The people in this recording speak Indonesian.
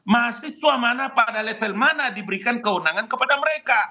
mahasiswa mana pada level mana diberikan kewenangan kepada mereka